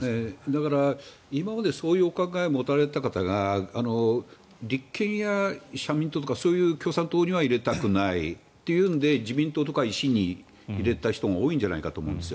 だから、今までそういうお考えを持たれていた方が立憲や社民党とかそういう共産党に入れたなくないというので自民党とか維新に入れた人も多いんじゃないかと思うんです。